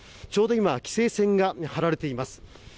ちょうど今、規制線が張られています。